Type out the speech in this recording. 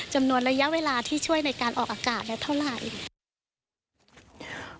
จำนวนระยะเวลาที่ช่วยในการออกอากาศได้เท่าไหร่